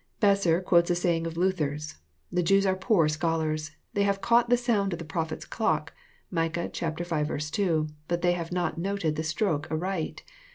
Besser quotes a saying of Luther's: The Jews are poor scholars. They have caught the sound of the prophet's clock, (Micah. V. 2,) but they have not noted the stroke aright.